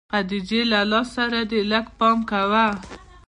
خديجې له لاس سره دې لږ پام کوه.